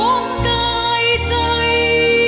รุกโรพห่วงกายใจ